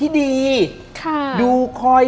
ดิงกระพวน